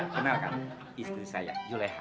kenalkan istri saya yuleha